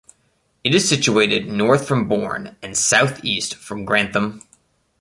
It is situated north from Bourne, and south-east from Grantham.